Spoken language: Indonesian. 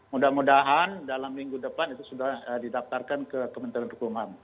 mudah mudahan dalam minggu depan itu sudah didaftarkan ke kementerian hukum ham